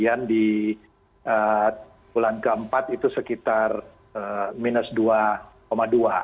yang di triwulan keempat itu sekitar minus dua dua persen